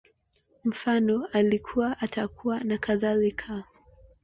Mfano, Alikuwa, Atakuwa, nakadhalika